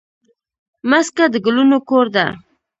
مځکه د ګلونو کور ده.